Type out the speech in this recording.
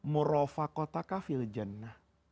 murofah kotakah fil jannah